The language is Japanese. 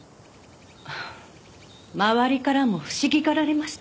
周りからも不思議がられました。